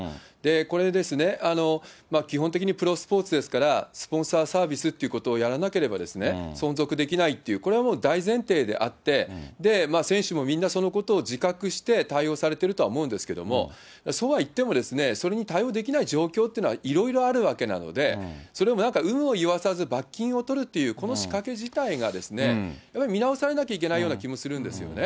これですね、基本的にプロスポーツですから、スポンサーサービスということをやらなければですね、存続できないって、これはもう大前提であって、選手もみんな、そのことを自覚して対応されてるとは思うんですけど、そうはいっても、それに対応できない状況っていうのはいろいろあるわけなので、それを有無を言わさず罰金を取るっていう、この仕掛け自体が、やっぱり見直されなきゃいけないような気もするんですよね。